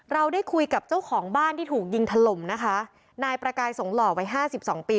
เราได้คุยกับเจ้าของบ้านที่ถูกยิงถล่มนะคะนายประกายสงหล่อวัยห้าสิบสองปี